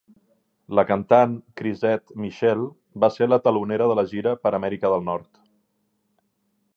La cantant Chrisette Michele va ser la telonera de la gira per Amèrica del Nord.